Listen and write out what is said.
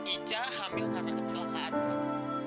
ica hamil karena kecelakaan bu